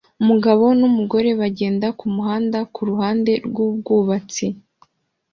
Umugabo numugore bagenda kumuhanda kuruhande rwubwubatsi